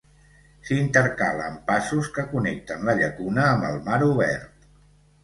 S'intercala amb passos que connecten la llacuna amb el mar obert.